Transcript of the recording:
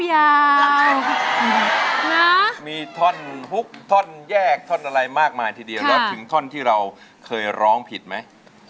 นะมีท่อนท่อนพุ่งท่อนแยกท่อนอะไรมากมายทีเดียวถึงท่อนที่เราเคยร้องผิดมั้ย